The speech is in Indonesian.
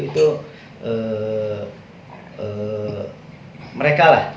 itu mereka lah